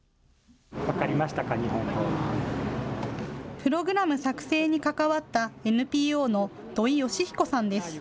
プログラム作成に関わったＮＰＯの土井佳彦さんです。